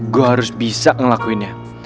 gua harus bisa ngelakuinnya